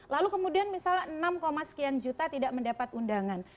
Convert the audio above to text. lalu kemudian misalnya enam sekian juta tidak mendapat undangan